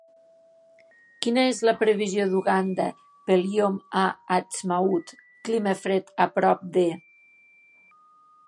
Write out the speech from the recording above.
Quina és la previsió d'Uganda pel Iom ha-Atsmaüt, clima fred a prop de